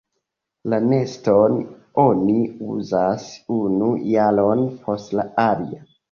La neston oni uzas unu jaron post la alia.